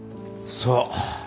そう。